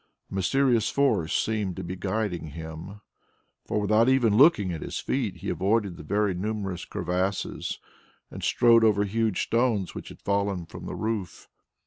A mysterious force seemed to be guiding him, for without even looking at his feet he avoided the very numerous crevasses, and strode over huge stones which had fallen from the roof.